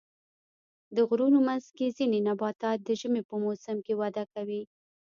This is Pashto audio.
د غرونو منځ کې ځینې نباتات د ژمي په موسم کې وده کوي.